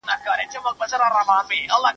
پخوانۍ اروپا له اوسنۍ هغې سره توپیر لري.